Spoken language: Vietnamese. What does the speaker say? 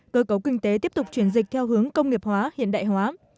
cơ cấu kinh tế tiếp tục chuyển dịch theo hướng công nghiệp hóa hiện đại hóa